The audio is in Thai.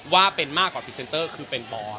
ว่าเป็นมากกว่าพรีเซนเตอร์คือเป็นบอย